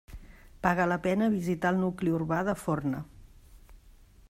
Paga la pena visitar el nucli urbà de Forna.